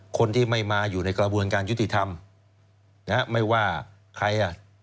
คนที่ไม่มาอยู่ในกระบวนการยุติธรรมนะฮะไม่ว่าใครอ่ะ